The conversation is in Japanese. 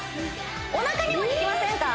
お腹にも効きませんか？